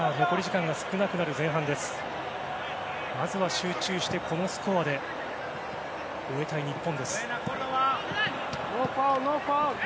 集中してこのスコアで終えたい日本。